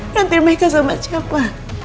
nanti mereka sama siapa